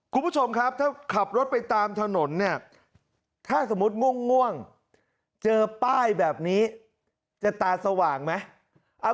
คุณผู้ชมครับถ้าขับรถไปตามถนนเนี่ยถ้าสมมุติง่วงเจอป้ายแบบนี้จะตาสว่างไหม